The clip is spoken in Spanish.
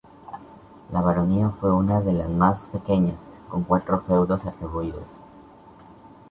La baronía fue una de las más pequeñas, con cuatro feudos atribuidos.